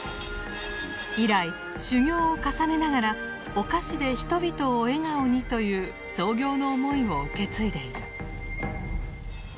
以来修業を重ねながら「お菓子で人々を笑顔に」という創業の思いを受け継いでいる。